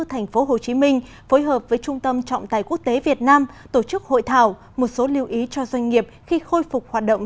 tp hcm phối hợp với trung tâm trọng tài quốc tế việt nam tổ chức hội thảo một số lưu ý cho doanh nghiệp khi khôi phục hoạt động